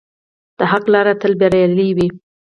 د حق لاره تل بریالۍ وي.